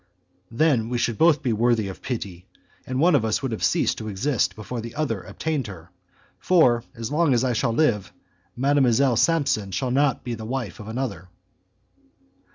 "Then we should both be worthy of pity, and one of us would have ceased to exist before the other obtained her, for as long as I shall live Mdlle. Samson shall not be the wife of another."